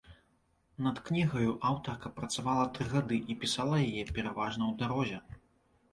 Над кнігаю аўтарка працавала тры гады і пісала яе пераважна ў дарозе.